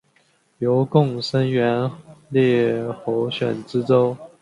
由贡生援例候选知州。